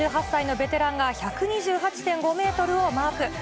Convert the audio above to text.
３８歳のベテランが、１２８．５メートルをマーク。